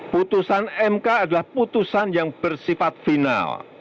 putusan mk adalah putusan yang bersifat final